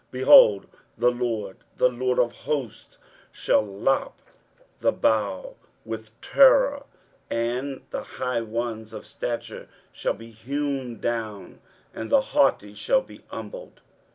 23:010:033 Behold, the Lord, the LORD of hosts, shall lop the bough with terror: and the high ones of stature shall be hewn down, and the haughty shall be humbled.